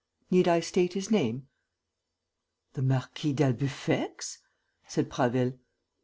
Need I state his name?" "The Marquis d'Albufex?" said Prasville.